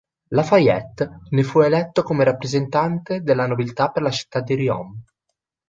La Fayette ne fu eletto come rappresentante della nobiltà per la città di Riom.